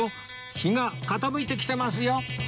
日が傾いてきてますよ！